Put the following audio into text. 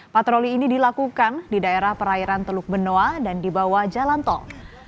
patroli ini dilakukan di daerah perairan teluk benoa dan di bawah jalan tol